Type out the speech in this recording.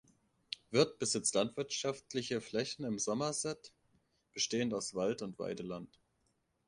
Wirth besitzt landwirtschaftliche Flächen in Somerset, bestehend aus Wald und Weideland.